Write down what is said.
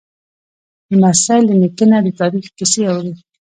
لمسی له نیکه نه د تاریخ کیسې اوري.